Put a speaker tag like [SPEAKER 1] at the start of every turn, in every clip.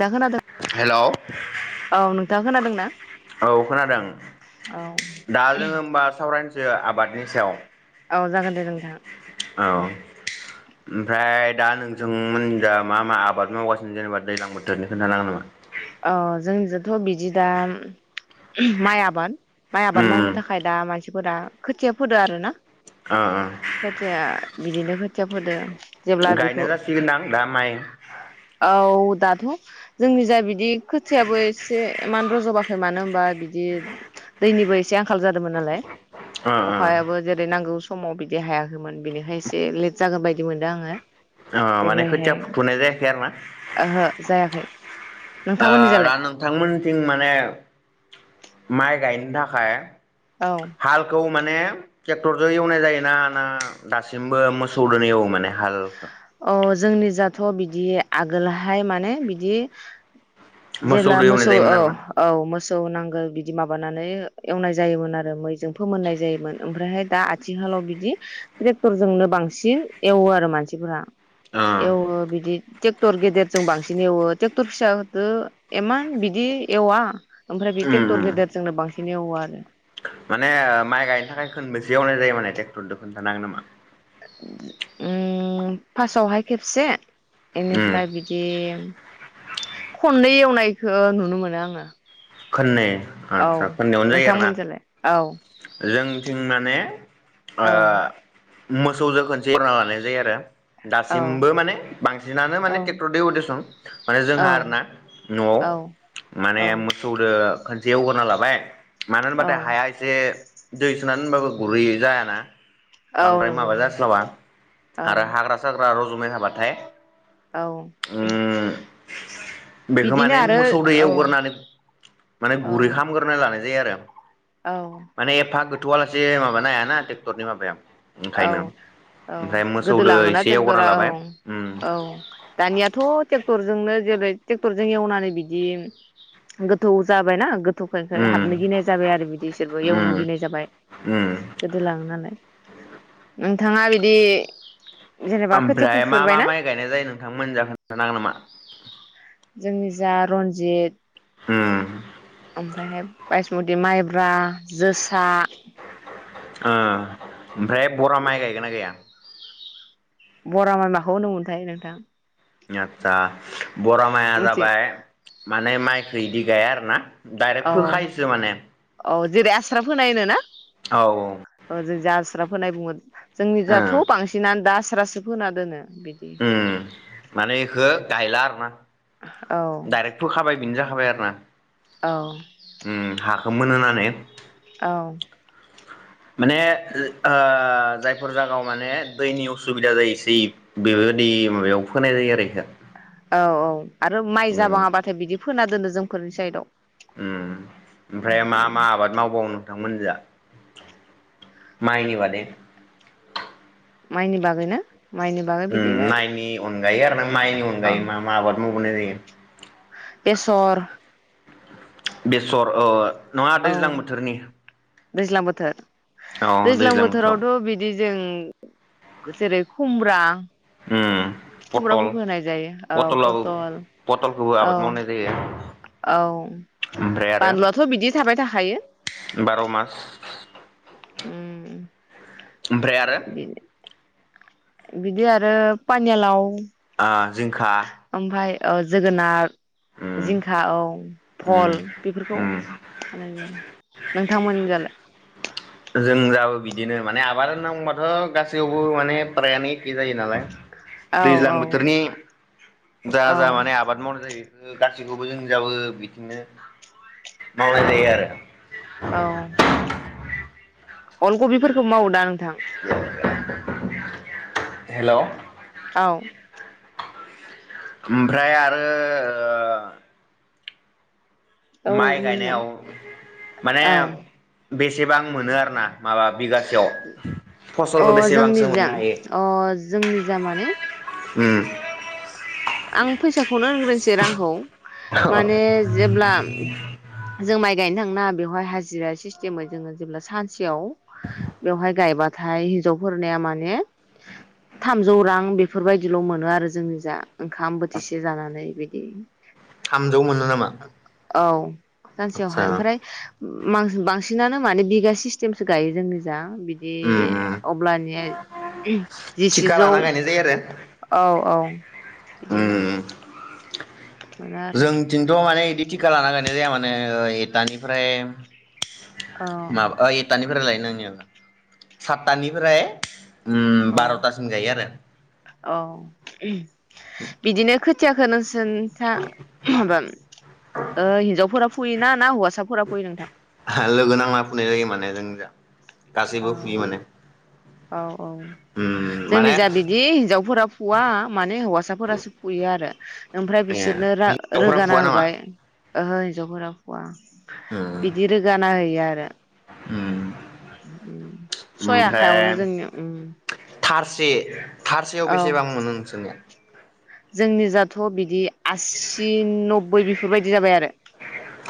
[SPEAKER 1] दा खोनादों
[SPEAKER 2] हेलौ। औ
[SPEAKER 1] औ नोंथाङा खोनादोंना
[SPEAKER 2] खोनादों
[SPEAKER 1] औ
[SPEAKER 2] दा जोङो होमबा सावरायनो [unintelligible] आबादनि सायाव।
[SPEAKER 1] औ जागोन दे नोंथां।
[SPEAKER 2] औ। ओमफ्राय दा नोंजोंमोननिजा दा मा मा आबाद मावगासिनो जेनेबा दैज्लां बोथोरनि खोन्थानोहागोन नामा?
[SPEAKER 1] अ जोंनिजोंथ' बिदि दा माइ आबाद। माइ आबाद
[SPEAKER 2] उम
[SPEAKER 1] मावनो थाखाय दा मा सिफोरा खोथिया फोदो आरो ना।
[SPEAKER 2] अ अ
[SPEAKER 1] खोथिया बिदिनो खोथिया फोदो जेब्ला
[SPEAKER 2] गायनो
[SPEAKER 1] बेखौ
[SPEAKER 2] जासिगोनदां दा माइ
[SPEAKER 1] औ दाथ' जोंनि जाय बि दि खोथियाबो एसे इमान रज'बाखै मानो होनोमबा बिदि दैनिबो एसे आंखाल जादोंमोन नालाय।
[SPEAKER 2] ओ ओ
[SPEAKER 1] अखायाबो जेरै नांगौ स समाव बिदि हायाखैमोन बिनिखाय एसे लेट जागोन बायदि मोनदों आङो।
[SPEAKER 2] अ माने
[SPEAKER 1] देग्लायहाय
[SPEAKER 2] खथिया फुथनाय जायाखै आरो ना?
[SPEAKER 1] ओहो जायाखै
[SPEAKER 2] ओ
[SPEAKER 1] नोंथांमोननि
[SPEAKER 2] दा
[SPEAKER 1] जालाय
[SPEAKER 2] नोंथांमोनथिं माने माइ गायनो थाखाय
[SPEAKER 1] औ
[SPEAKER 2] हालखौ माने ट्रेक्टरजों एवनाय जायो ना ना दासिमबो मोसौ दोनो एवो माने। हालखौ
[SPEAKER 1] अ जोंनि जा थ' बिदि आगोलहाय माने बिदि जेब्ला
[SPEAKER 2] मोसौदो एवनाय
[SPEAKER 1] मोसौ
[SPEAKER 2] जायोमोन
[SPEAKER 1] औ
[SPEAKER 2] आरोना
[SPEAKER 1] औ मोसौ औ नांगोल बिदि माबानानै एवनाय जायोमोन आरो मैजों फोमोननाय जायोमोन ओमफ्रायहाय दा आथिखालाव बिदि ट्रेक्टरजोंनो बांसिन एवो आरो। मानसिफोरा।
[SPEAKER 2] ओ
[SPEAKER 1] एवो बिदि ट्रेक्टर गेदेरजों बांसिन एवो ट्रेक्टर फिसादो एमान बिदि एवा। ओमफ्राय बे
[SPEAKER 2] उम उम
[SPEAKER 1] ट्रेक्टर गेदेर जोंनो बांसि [unintelligible] आरो
[SPEAKER 2] माने माइ गायनो थाखाय खोनबेसे एवनाय जायो माने ट्रेक्टर जों खोन्थानो हागोन नामा?
[SPEAKER 1] उम फारसआव हाय खेबसे।
[SPEAKER 2] उम
[SPEAKER 1] इनिफ्राय बिदि खननै एवनायखौ नुनो मोनो आङो।
[SPEAKER 2] खोनै
[SPEAKER 1] औ
[SPEAKER 2] आदसा खोननैयावनो जायो आरोना
[SPEAKER 1] नोंथांमोनजोंलाय औ
[SPEAKER 2] जोंथिं माने अ
[SPEAKER 1] औ
[SPEAKER 2] मोसौजों खनसे एवना लानाय जायो आरो
[SPEAKER 1] औ
[SPEAKER 2] दासिमबो माने बांसिनानो
[SPEAKER 1] औ
[SPEAKER 2] माने ट्रेक्टर दो एवो देसुन माने जोंहा आरोना न'आव
[SPEAKER 1] औ
[SPEAKER 2] माने
[SPEAKER 1] औ
[SPEAKER 2] मोसौदो खनसे एवग्रोना लाबाय मानो
[SPEAKER 1] औ
[SPEAKER 2] होनबाथाय हाया दै सोनानै होनबाबो गुरै जायाना
[SPEAKER 1] औ
[SPEAKER 2] बांद्राय
[SPEAKER 1] नंगौ
[SPEAKER 2] माबा
[SPEAKER 1] नोंथां
[SPEAKER 2] जास्लाबा
[SPEAKER 1] औ
[SPEAKER 2] आरो हाग्रा साग्रा र मोनाबाथाय
[SPEAKER 1] औ
[SPEAKER 2] बेखौ
[SPEAKER 1] बिदिनो
[SPEAKER 2] माने
[SPEAKER 1] आरो
[SPEAKER 2] मोसौ दो
[SPEAKER 1] औ
[SPEAKER 2] एवग्रोनानै [unintelligible] माने
[SPEAKER 1] औ
[SPEAKER 2] गुरै खालामग्रोनानै लानाय जायो आरो
[SPEAKER 1] औ
[SPEAKER 2] माने एफा गोथौआलासे माबा हायाना ट्रेक्टरनि माबाया ओंखायनो
[SPEAKER 1] औ औ
[SPEAKER 2] ओमफ्राय मोसौ
[SPEAKER 1] गोदो
[SPEAKER 2] दो
[SPEAKER 1] लाङोना
[SPEAKER 2] एसे एवग्रोना
[SPEAKER 1] ट्रेक्टरा औ
[SPEAKER 2] लाबाय उम
[SPEAKER 1] औ दानियाथ' ट्रेक्टर जोंनो जेरै ट्रेक्टरजों एवनानै बिदि गोथौ जाबायना [unintelligible]
[SPEAKER 2] उम
[SPEAKER 1] हाबनो गिनाय जाबाय आरो बिदि बिसोरबो
[SPEAKER 2] उम
[SPEAKER 1] एवनो गिनाय जाबाय
[SPEAKER 2] उम
[SPEAKER 1] गोदोलाङो नालाय नोंथाङा बिदि जेनेबा खोथिया
[SPEAKER 2] ओमफ्राय मा मा
[SPEAKER 1] फुफेरबायना
[SPEAKER 2] माइ गायनाय जायो नोंथांमोन जा खोनथानो हागोन नामा?
[SPEAKER 1] जोंनि जा रन्जित
[SPEAKER 2] उम
[SPEAKER 1] ओमफ्राय बायसमथि माइ मायब्रा जोसा
[SPEAKER 2] ओमफ्राय बरा माइ गायगोन ना गाया।
[SPEAKER 1] बरा माइ माखौ होनो मोनथाय नोंथां
[SPEAKER 2] [unintelligible] बरा माइया
[SPEAKER 1] मिथि
[SPEAKER 2] जाबाय माने माइ बादि गाया आरोना दाइरेक्ट
[SPEAKER 1] औ
[SPEAKER 2] फोखायोसो माने
[SPEAKER 1] औ जेरै आस्रा फोनाय होनो ना?
[SPEAKER 2] औ औ
[SPEAKER 1] जास्राब फोनाय बुंगोन जोंनिजाथ
[SPEAKER 2] ओं
[SPEAKER 1] बांसिनानो दास रासो फोना दोनो बिदि
[SPEAKER 2] उम माने एखो गायला आरोना
[SPEAKER 1] औ
[SPEAKER 2] डाइरेक्ट फोखाबाय बेनो जा [unintelligible]
[SPEAKER 1] औ
[SPEAKER 2] उम हा खो मोनहोनानै
[SPEAKER 1] औ औ।
[SPEAKER 2] माने ओ जायफोर जायगायावमाने दैनि उसुबिदा जायो सि बिबादि हाबायाव फोनायजायो आरो इ
[SPEAKER 1] औ औ। आरो माइ जाबाङाबाथाय बिदि फोना दोनो जोंफोरनि साइदआव।
[SPEAKER 2] उम ओमफ्राय मा
[SPEAKER 1] बिदिनो
[SPEAKER 2] मा आबाद मावबावो? नोंथां मोनजा माइनि बादै
[SPEAKER 1] माइनि बागैना?
[SPEAKER 2] उम मायनि अन गायो आरोना। माइनि
[SPEAKER 1] औ
[SPEAKER 2] अनगायै मा मा आबाद मावबावनाय जायो?
[SPEAKER 1] बेेसर
[SPEAKER 2] बेसर ओ। नङा
[SPEAKER 1] औ
[SPEAKER 2] दैज्लां बोथोरनि?
[SPEAKER 1] दैज्लां बोथोर
[SPEAKER 2] औ
[SPEAKER 1] दैज्लां
[SPEAKER 2] बोथोराव
[SPEAKER 1] बोथोरावथ बिदि जों जेरै खुमब्रा
[SPEAKER 2] उम पटल
[SPEAKER 1] खुमब्राफोरखौ होनाय जायो औ
[SPEAKER 2] पटलाव
[SPEAKER 1] पटल
[SPEAKER 2] पटलखौबो
[SPEAKER 1] औ
[SPEAKER 2] आबाद मावनाय जायो
[SPEAKER 1] औ
[SPEAKER 2] ओमफ्राय आरो
[SPEAKER 1] बानलुआथ बिदि थाबाय थाखायो।
[SPEAKER 2] बार' मास
[SPEAKER 1] उम।
[SPEAKER 2] ओमफ्राय आरो?
[SPEAKER 1] बिदि आरो पानिलाव
[SPEAKER 2] ओ जिंखा
[SPEAKER 1] ओमफ्राय ओ जोगोनार
[SPEAKER 2] उम
[SPEAKER 1] जिंखा औ
[SPEAKER 2] उम
[SPEAKER 1] भल बेफोरखौ
[SPEAKER 2] उम
[SPEAKER 1] होनाय जायो। नोंथांमोनि जाला
[SPEAKER 2] जों जाबो बिदिनो माने आबाद होनना बुंबाथ' गासैयावबो माने फ्रायानो एखे जायो नालाय।
[SPEAKER 1] औ
[SPEAKER 2] दैज्लां
[SPEAKER 1] औ
[SPEAKER 2] बोथोरनि जा
[SPEAKER 1] औ
[SPEAKER 2] जा माने आबाद मावनाय जायो। गासैखौबो जोंनिजाबो बिदिनो- मावनाय
[SPEAKER 1] औ
[SPEAKER 2] जायो आरो
[SPEAKER 1] औ। अलकबिफोरखौ मावो दा नोंथां?
[SPEAKER 2] हेल'।
[SPEAKER 1] औ।
[SPEAKER 2] ओमफ्राय आरो ओ।
[SPEAKER 1] औ
[SPEAKER 2] माइ
[SPEAKER 1] होनलाय
[SPEAKER 2] गायनायाव माने
[SPEAKER 1] औ
[SPEAKER 2] बेसेबां मोनो आरोना माबा बिगासेयाव फसलखौ
[SPEAKER 1] अ जोंनि
[SPEAKER 2] बेसेबांसो
[SPEAKER 1] जा
[SPEAKER 2] मोननो हायो?
[SPEAKER 1] अ जोंनि जा माने
[SPEAKER 2] उम।
[SPEAKER 1] आं फैसाखौनो होनग्रोनोसै रांखौ। माने जेब्ला जों माइ गायनो थाङोना बेवहाय हाजिरा सिस्टेमै जोङो जेब्ला सानसेयाव बेवहाय गायबाथाय हिन्जावफोरनिआ माने थामजौ रां बेफोरबायदिल' मोनो आरो जोंनिजा ओंखाम बोथिसे जानानै बिदि।
[SPEAKER 2] थामजौ मोनो नामा?
[SPEAKER 1] औ
[SPEAKER 2] आतसा
[SPEAKER 1] सानसेयावहाय ओमफ्राय बांसिनानो माने बिगा सिस्टेमसो गायो जोंनिजा बिदि
[SPEAKER 2] उम उम
[SPEAKER 1] अब्लानि
[SPEAKER 2] थिखा
[SPEAKER 1] जिसेजौ
[SPEAKER 2] लाना गायनाय जायो आरो
[SPEAKER 1] औ औ। [inaudible]
[SPEAKER 2] उम
[SPEAKER 1] बिदिनो मोनो आरो
[SPEAKER 2] जोंथिंथ' माने बिदि थिका लाना गायना जाया माने एटानिफ्राय
[SPEAKER 1] औ
[SPEAKER 2] माबा अ एटानिफ्राय लायोनो साततानिफ्राय
[SPEAKER 1] औ
[SPEAKER 2] बार'थासिम गायो आरो।
[SPEAKER 1] औ उम। बिदिनो खो थियाखोनो जोंनिजा माबा ओ हिनजावफोरा फुयैना ना हौवासा
[SPEAKER 2] लोगो नांला फुनाय जायो माने जोंनिजा
[SPEAKER 1] औ औ औ
[SPEAKER 2] उम माने
[SPEAKER 1] जोंनिजा बिदि हिनजावसाफोरा फुवा माने हौवासाफोरासो फुयो आरो ओमफ्राय
[SPEAKER 2] ए
[SPEAKER 1] बिसोरनो
[SPEAKER 2] हिनजावफोरा
[SPEAKER 1] रोगाना
[SPEAKER 2] फुवा नामा?
[SPEAKER 1] होबाय ओहो हिन्जावफोरा फुवा। बिदि रोगाना होयो आरो। [unintelligible]
[SPEAKER 2] ओम।
[SPEAKER 1] उम उम सय आखायावनो जोंनि उम
[SPEAKER 2] ए थारसेयाव बेसेबां मोनो नोंसोरनिया?
[SPEAKER 1] जोंनि जाथ' बिदि आसि नबबै बेफोरबायदि जाबाय आरो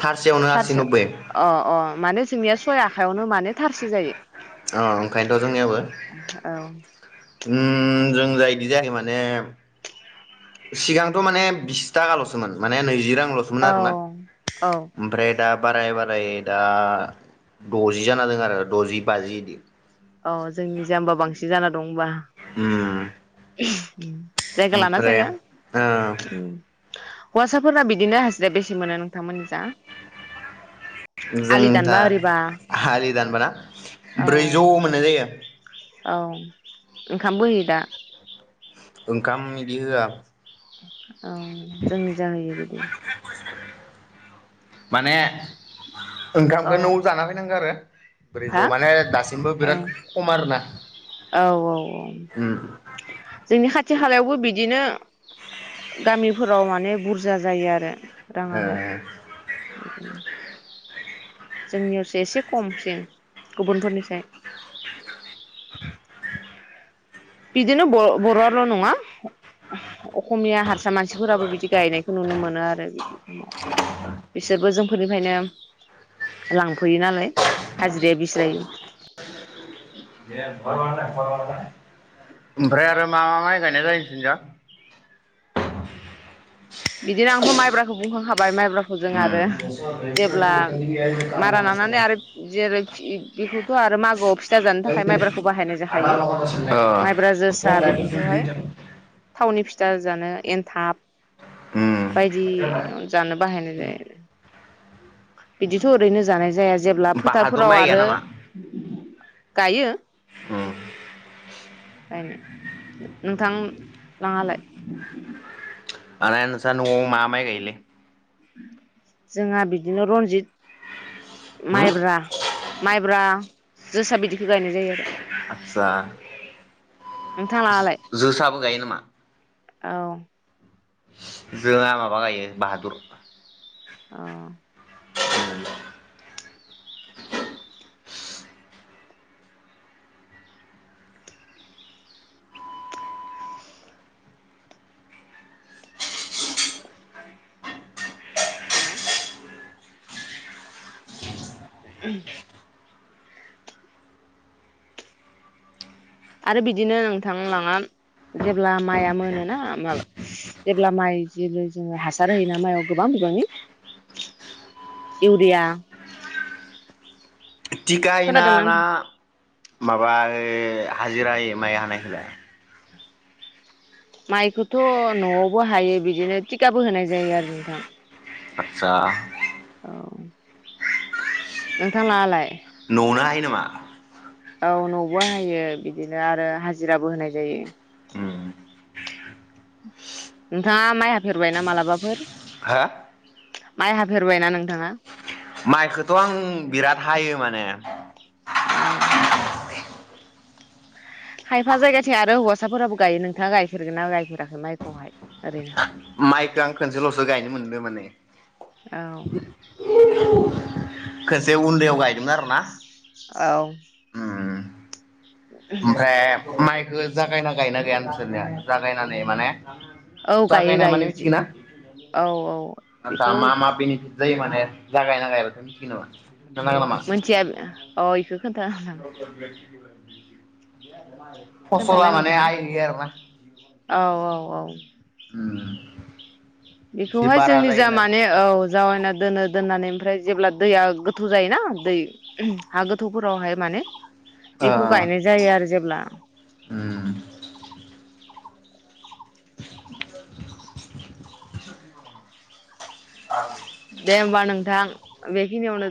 [SPEAKER 2] थारसेयावनो आसि नब्बै
[SPEAKER 1] ओ ओ माने जोंनिया सय आखायावनो माने थारसे जायो
[SPEAKER 2] अ ओंखायनोथ' जोंनियाबो
[SPEAKER 1] औ
[SPEAKER 2] ओम जों जा इदि जायाखै माने सिगांथ' माने बिसथागाल' सोमोन माने नैजि रां लसोमोन
[SPEAKER 1] औ
[SPEAKER 2] आरोना
[SPEAKER 1] औ
[SPEAKER 2] ओमफ्राय दा बाराय बाराय दा द'जि जानादों आरो द'जि बाजि इदि
[SPEAKER 1] जि जाना दं होमबा
[SPEAKER 2] उम
[SPEAKER 1] उम
[SPEAKER 2] ओमफ्राय ओ
[SPEAKER 1] उम हौवासाफोरा बिदिनो हाजिरा बेसे मोनो नोंथांमोननि जा?
[SPEAKER 2] जों
[SPEAKER 1] आलि
[SPEAKER 2] दा
[SPEAKER 1] दानबा ओरैबा
[SPEAKER 2] आलि दानबाना
[SPEAKER 1] औ
[SPEAKER 2] ब्रैजौ मोनो जायो।
[SPEAKER 1] औ ओंखामबो होयो दा?
[SPEAKER 2] ओंखाम इदि होवा
[SPEAKER 1] [inaudible] औ जोंनि जा होयो बिदि
[SPEAKER 2] माने
[SPEAKER 1] औ
[SPEAKER 2] ओंखामखौ न'आव जाना फैनांगौ आरो
[SPEAKER 1] हा
[SPEAKER 2] ब्रैजौ माने दासिमबो
[SPEAKER 1] औ
[SPEAKER 2] बिराद खम आरोना
[SPEAKER 1] औ औ
[SPEAKER 2] उम
[SPEAKER 1] जोंनि खा थि खालायावबो बिदिनो गामिफोराव माने बुरजा जायो आरो
[SPEAKER 2] ओ
[SPEAKER 1] राङाहाय
[SPEAKER 2] ओ
[SPEAKER 1] बिदिनो जोंनियावसो एसे खमसिन गुबुनफोरनिसाय बिदिनो बर' बर' आल' नङा अखमिया हारसा मानसिफोराबो बिदि गायनायखौ नुनो मोनो आरो बिदि समाव बिसोरबो जों बेनिफ्रायनो लांफैयो नालाय हाजिराया बिस्रायो
[SPEAKER 2] [inaudible] ओमफ्राय आरो मा मा माइ गायनाय जायो नोंसिनि जा?
[SPEAKER 1] बिदिनो आंथ' माइब्राखौ बुंखांखाबाय माइब्राखौ‌ जों आरो जेब्ला मारा नानानै आरो जेरै बेखौथ' आरो मागोआव फिथा जानो थाखाय माइब्राखौ बाहायनाय जाखायो माइब्रा जोसा बेफोरखौहाय थावनि फि जा-जानो एन्थाब
[SPEAKER 2] उम
[SPEAKER 1] बायदि जानो बाहायनाय जायो। बिदिथ' ओरैनो जानाय जाया। जेब्ला
[SPEAKER 2] बाहादुर
[SPEAKER 1] फोथारफोराव
[SPEAKER 2] माइ गाया
[SPEAKER 1] आरो
[SPEAKER 2] नामा?
[SPEAKER 1] गायो।
[SPEAKER 2] उम
[SPEAKER 1] नोंथां लांङालाय?
[SPEAKER 2] माने नोंसा न'आव मा माइ गाइयोलोय?
[SPEAKER 1] जोंहा बिदिनो रनजित
[SPEAKER 2] होम
[SPEAKER 1] माइब्रा-माइब्रा जोसा बिदिखौ गायनाय जायो आरो
[SPEAKER 2] आस्सा
[SPEAKER 1] नोंथां लाङालाय
[SPEAKER 2] जोसाबो गायो नामा?
[SPEAKER 1] औ।
[SPEAKER 2] जोंहा माबा गायो बाहादुर।
[SPEAKER 1] अ
[SPEAKER 2] [inaudible]
[SPEAKER 1] हेलौ ओम आरो बिदिनो नोंथांलाङा जेब्ला माइआ मोनोना जेब्ला माइ ज जोङो हासार होयोना माइयाव गोबां बिबांनि इउरिया
[SPEAKER 2] टिखा होयोना
[SPEAKER 1] खोनादोंना
[SPEAKER 2] ना
[SPEAKER 1] नोंथां?
[SPEAKER 2] माबा ओ हाजिरा होयो माइ हानायखौलाय?
[SPEAKER 1] माइखौथ' न'आवबो हायो बिदिनो थिखाबो होनाय जायो आरो नोंथां।
[SPEAKER 2] आदसा
[SPEAKER 1] औ नोंथां लाङालाय?
[SPEAKER 2] न'आवनो हायो नामा?
[SPEAKER 1] औ न'आवबो हायो बिदिनो आरो हाजिराबो होनाय जायो।
[SPEAKER 2] उम
[SPEAKER 1] नोंथाङा माइ हाफेरबायना मालाबाफोर?
[SPEAKER 2] हो?
[SPEAKER 1] माइ हाफेरबायना नोंथाङा?
[SPEAKER 2] माइखौथ' आं बिराद हायो माने
[SPEAKER 1] औ खायफा जायगाथिं आरो हौवासाफोराबो गायो नोंथाङा गायफेरगोन ना गायफेराखै माइखौहाय ओरैनो?
[SPEAKER 2] माइखौ आं खनसेल'सो गायनो मोनदों माने
[SPEAKER 1] औ
[SPEAKER 2] [inaudible] खनसे उन्दैयाव गायदोंमोन आरो ना।
[SPEAKER 1] औ
[SPEAKER 2] ओमफ्राय माइ जागायना गायना गाया नोंसोरनिया जागायनानै माने
[SPEAKER 1] औ गायो
[SPEAKER 2] जागायनाय
[SPEAKER 1] गायो
[SPEAKER 2] माने
[SPEAKER 1] जि
[SPEAKER 2] मिथिगोना
[SPEAKER 1] औ औ
[SPEAKER 2] आसा
[SPEAKER 1] बेखौ
[SPEAKER 2] मा मा बेनिफिट जायो माने। [unintelligible] नामा
[SPEAKER 1] मोनथिया अ बेखौ खोनथानो आं।
[SPEAKER 2] [unintelligible]
[SPEAKER 1] नोंथाङा औ
[SPEAKER 2] [unintelligible]
[SPEAKER 1] औ औ।
[SPEAKER 2] उम।
[SPEAKER 1] बेखौहाय जोंनि जा माने औ जावायना दोनो। दोननानै ओमफ्राय जेब्ला दैया गोथौ जायोना दै हा गोथौफोरावहाय माने बेखौ गायनाय जायो आरो जेब्ला।
[SPEAKER 2] ओ आ।
[SPEAKER 1] दे होमबा नोंथां बेखिनियावनो